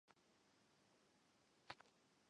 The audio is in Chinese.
大家能充分利用时间